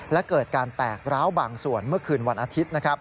และเกิดการแตกร้าวบางส่วนเมื่อคืนวันอาทิตย์